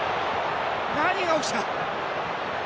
何が起きた？